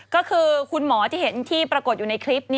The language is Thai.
ก็คือคุณหมอที่เห็นที่ปรากฏอยู่ในคลิป